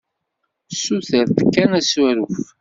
Ssuter-d kan asaruf.